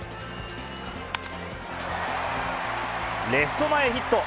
レフト前ヒット。